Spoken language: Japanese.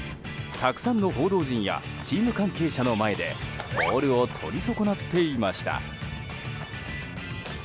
たくさんの報道陣やチーム関係者の前でボールをとり損なっていました。